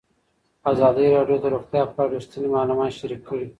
ازادي راډیو د روغتیا په اړه رښتیني معلومات شریک کړي.